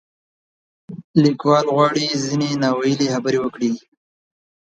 لیکوال غواړي ځینې نا ویلې خبرې وکړي.